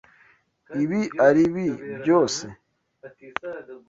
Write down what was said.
Ibi aribi byose?